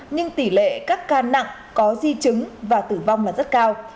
nhưng tỷ lệ các ca nặng có di chứng và tử vong là rất cao